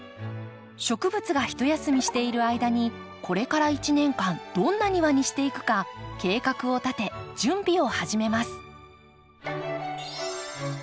植物がひと休みしている間にこれから一年間どんな庭にしていくか計画を立て準備を始めます。